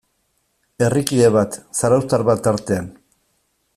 Herrikide bat, zarauztar bat tartean.